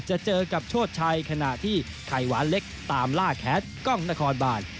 เจอกับโชชัยขณะที่ไข่หวานเล็กตามล่าแคสกล้องนครบาน